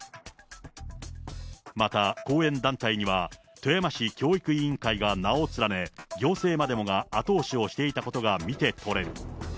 また、後援団体には富山市教育委員会が名を連ね、行政までもが後押しをしていたことが見て取れる。